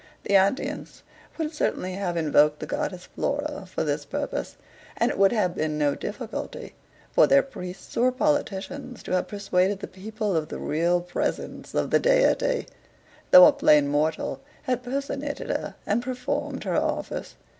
The antients would certainly have invoked the goddess Flora for this purpose, and it would have been no difficulty for their priests, or politicians to have persuaded the people of the real presence of the deity, though a plain mortal had personated her and performed her office.